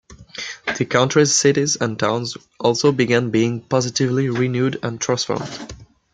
The country's cities and towns also began being positively renewed and transformed.